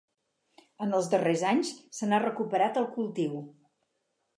En els darrers anys se n’ha recuperat el cultiu.